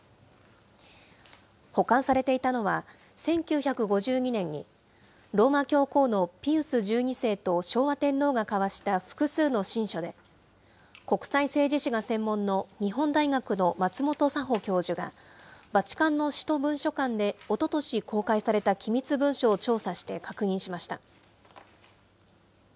保管されていたのは、１９５２年に、ローマ教皇のピウス１２世と昭和天皇が交わした複数の親書で、国際政治史が専門の日本大学の松本佐保教授が、バチカンの使徒文書館で、おととし公開された機密文書を調査して確認しました。